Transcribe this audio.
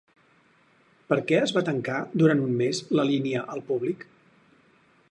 Per què es va tancar durant un mes la línia al públic?